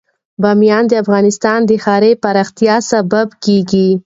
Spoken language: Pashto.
بامیان د افغانستان د ښاري پراختیا سبب کېږي.